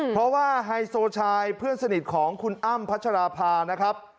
เพราะว่าไฮโซชายเพื่อนสนิทของคุณอ้ำพัชราภานะครับ